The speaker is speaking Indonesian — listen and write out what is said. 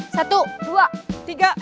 satu dua tiga